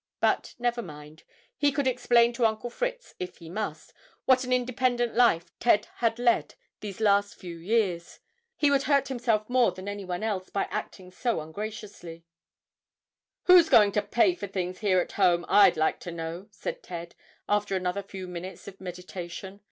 But, never mind, he could explain to Uncle Fritz, if he must, what an independent life Ted had led these last few years. He would hurt himself more than any one else by acting so ungraciously. "Who's going to pay for things here at home, I'd like to know?" said Ted, after another few minutes of meditation.